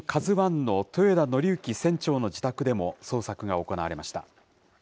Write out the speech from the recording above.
ＫＡＺＵＩの豊田徳幸船長の自宅でも捜索が行われました。